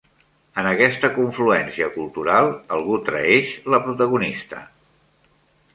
En aquesta confluència cultural, algú traeix la protagonista.